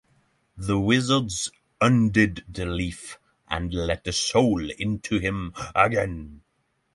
The wizards undid the leaf and let the soul into him again.